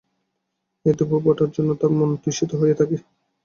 এই দুপুবটার জন্য তার মন তৃষিত হইয়া থাকে।